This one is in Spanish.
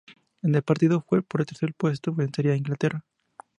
En el partido por el tercer puesto vencería a Inglaterra.